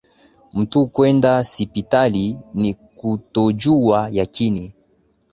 Mtu kwenda sipitali, ni kutojuwa yakini.